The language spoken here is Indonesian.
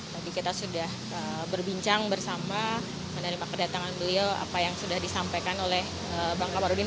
tadi kita sudah berbincang bersama menerima kedatangan beliau apa yang sudah disampaikan oleh bang kamarudin